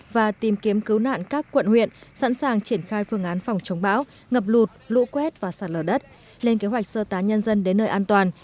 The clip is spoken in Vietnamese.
và tìm kiếm cứu nạn các quận huyện sẵn sàng triển khai phương án phòng chống bão ngập lụt lũ quét và sạt lở đất lên kế hoạch sơ tá nhân dân đến nơi an toàn